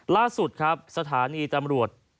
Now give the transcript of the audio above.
ล่าสุดครับสถานีตำรวจ